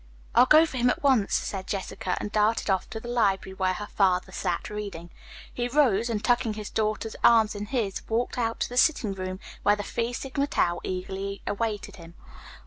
"I'll go for him at once," said Jessica, and darted off to the library, where her father sat reading. He rose, and, tucking his daughter's arm in his, walked out to the sitting room, where the Phi Sigma Tau eagerly awaited him.